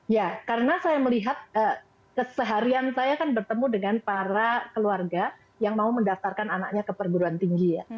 ya karena saya melihat keseharian saya kan bertemu dengan para keluarga yang mau mendaftarkan anaknya ke perguruan tinggi ya